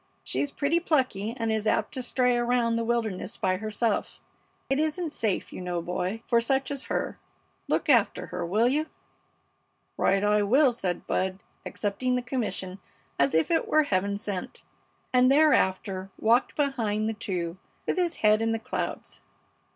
She's pretty plucky and is apt to stray around the wilderness by herself. It isn't safe, you know, boy, for such as her. Look after her, will you?" "Right I will," said Bud, accepting the commission as if it were Heaven sent, and thereafter walked behind the two with his head in the clouds.